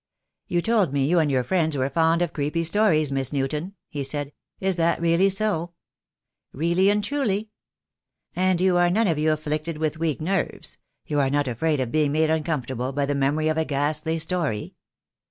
"You told me you and your friends were fond of creepy stories, Miss Newton," he said. "Is that really so?" "Really and truly." "And you are none of you afflicted with weak nerves — you are not afraid of being made uncomfortable by the memory of a ghastly story?"